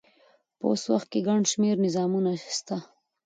په اوس وخت کښي ګڼ شمېر نظامونه سته.